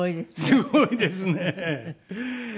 すごいですね。